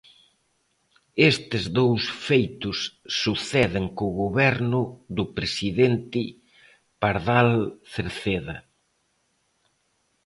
Estes dous feitos suceden co Goberno do presidente Pardal Cerceda.